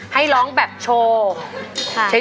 ให้ร้องแบบโชว์